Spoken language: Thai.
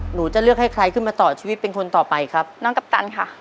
หนูจะเลือกให้ใครขึ้นมาต่อชีวิตเป็นคนต่อไปครับน้องกัปตันค่ะ